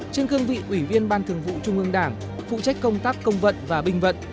trên cương vị ủy viên ban thường vụ trung ương đảng phụ trách công tác công vận và binh vận